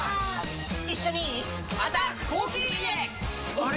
あれ？